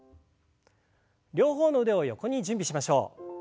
両方の腕を横に準備しましょう。